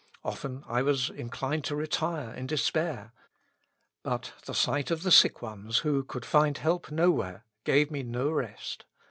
Often I was inclined to retire in despair. But the sight of the sick ones, who could find help nowhere, gave me no rest.